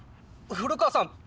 古川さん